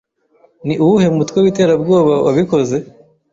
Ni uwuhe mutwe w'iterabwoba wabikoze?